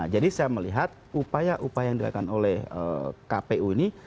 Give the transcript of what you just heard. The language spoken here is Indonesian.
jadi saya melihat upaya upaya yang dilakukan oleh kpu ini